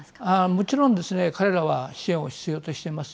もちろんですね、彼らは支援を必要としています。